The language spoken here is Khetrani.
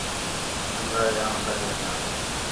چنڳا ہے آں بَھڄ ون٘ڄاں